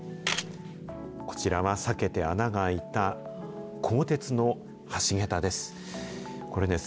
こちらは避けて穴が開いた鋼鉄の橋桁です。